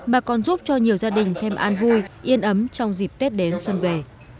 mà còn giúp cho nhiều gia đình thêm an vui yên ấm trong dịp tết đến xuân về